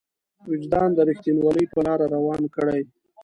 وجدان د رښتينولۍ په لاره روان کړي.